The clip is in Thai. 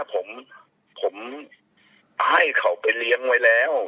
ผมให้เขาไปเลี้ยงไว้แล้ว